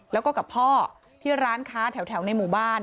แล้วก็กับพ่อที่ร้านค้าแถวในหมู่บ้าน